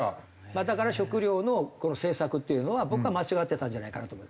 だから食料のこの政策っていうのは僕は間違ってたんじゃないかなと思う。